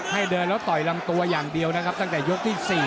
ให้เดินแล้วต่อยลำตัวอย่างเดียวนะครับตั้งแต่ยกที่๔